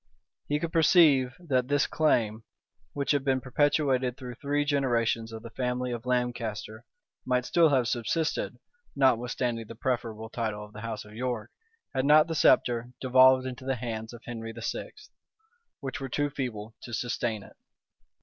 He could perceive that this claim, which had been perpetuated through three generations of the family of Lancaster, might still have subsisted, notwithstanding the preferable title of the house of York, had not the sceptre devolved into the hands of Henry VI., which were too feeble to sustain it.